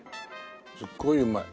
すっごいうまい。